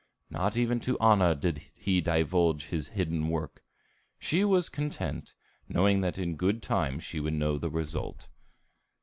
Not even to Anna did he divulge his hidden work. She was content, knowing that in good time she would know the result.